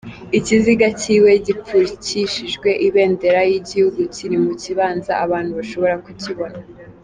Ikiziga ciwe gipfukishijwe ibendera y'igihugu kiri mu kibanza abantu bashobora kukibona.